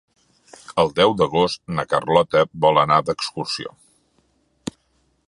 El deu d'agost na Carlota vol anar d'excursió.